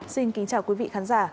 xin kính chào quý vị khán giả